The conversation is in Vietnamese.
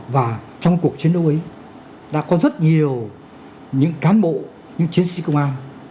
và trong cuộc chiến đấu ấy đã có rất nhiều những cán bộ những chiến sĩ công an